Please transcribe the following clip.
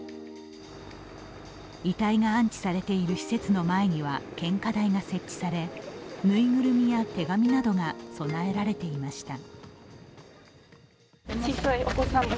遺体が安置されている施設の前には献花台が設置されぬいぐるみや手紙などが供えられていました。